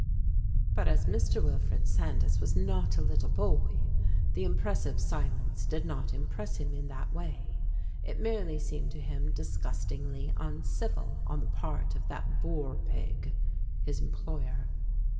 But as Mr. Wilfred Sandys was not a little boy, the impressive silence did not impress him in that way; it merely seemed to him disgustingly uncivil on the part of that boor pig, his employer.